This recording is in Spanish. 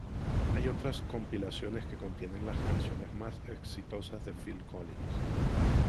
Hay otras compilaciones que contienen las canciones más exitosas de Phil Collins.